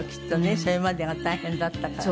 それまでが大変だったからね。